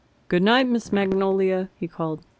Good night, Miss Magnolia!" he called.